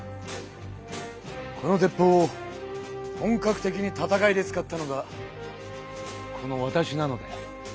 この鉄砲を本格的に戦いで使ったのがこのわたしなのだよ。